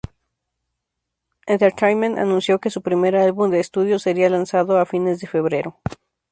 Entertainment, anunció que su primer álbum de estudio sería lanzado a fines de febrero.